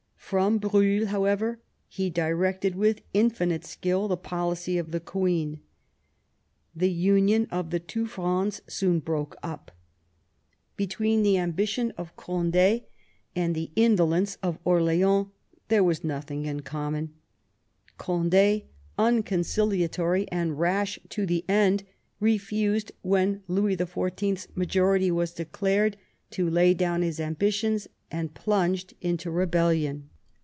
From Briihl, however, he directed with infinite skill the policy of the queen. The union of the two Frondes soon broke up. Between the ambition of Cond^ and IX MAZARIN'S DEATH, OHARACTEE, AND WORK 165 the indolence of Orleans there was nothing in commoa Cond^, unconciliatory and rash to the end, refused, when Louis XTV.'s majority was declared, to lay down his ambitions, and plunged into rebellion.